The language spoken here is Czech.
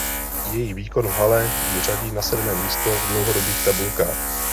Její výkon v hale ji řadí na sedmé místo v dlouhodobých tabulkách.